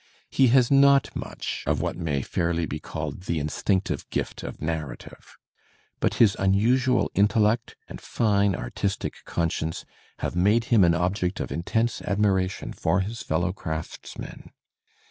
He has not much of what may fairly be called the instinctive gift of narrative. But his unusual intellect and fine artistic conscience have made him an object of intense admiration for his fellow craftsmen.